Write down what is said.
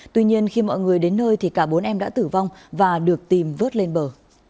tuy nhiên khi mọi người đến nơi thì cả bốn em đã tử vong và được tìm vớt lên bờ